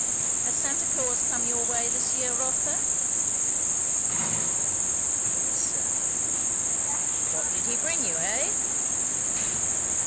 Has Santa Claus come your way this year, Rotha?" "Yes, sir." "What did he bring you, hey?"